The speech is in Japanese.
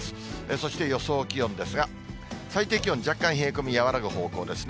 そして、予想気温ですが、最低気温、若干冷え込み和らぐ方向ですね。